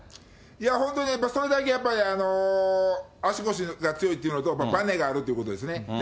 本当にやっぱ、それだけ足腰が強いというのと、ばねがあるということですね。